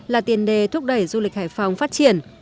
là tiền đề thúc đẩy du lịch hải phòng phát triển